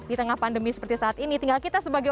di tengah pandemi seperti saat ini tinggal kita sebagai